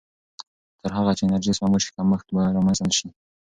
تر هغه چې انرژي سپما شي، کمښت به رامنځته نه شي.